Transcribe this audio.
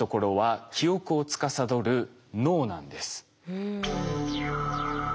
うん。